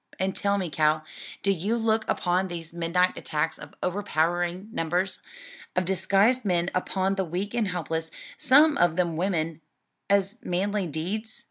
And tell me, Cal, do you look upon these midnight attacks of overpowering numbers of disguised men upon the weak and helpless, some of them women, as manly deeds?